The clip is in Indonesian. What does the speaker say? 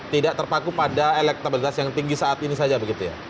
tidak terpaku pada elektabilitas yang tinggi saat ini saja begitu ya